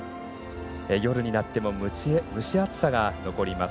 夜になっても蒸し暑さが残ります。